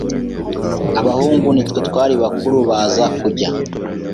abahungu nitwe twari bakuru baza kujya